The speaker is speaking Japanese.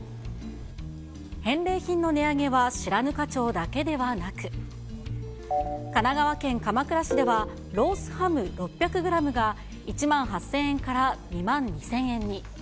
返礼品の値上げは白糠町だけではなく、神奈川県鎌倉市では、ロースハム６００グラムが１万８０００円から２万２０００円に。